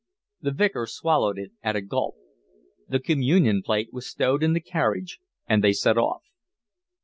The Vicar swallowed it at a gulp. The communion plate was stowed in the carriage, and they set off.